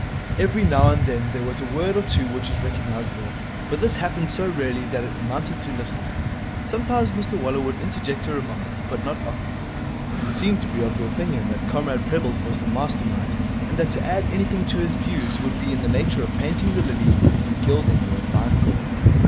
Every now and then there was a word or two which was recognizable, but this happened so rarely that it amounted to little. Sometimes Mr Waller would interject a remark, but not often. He seemed to be of the opinion that Comrade Prebble's was the master mind and that to add anything to his views would be in the nature of painting the lily and gilding the refined gold.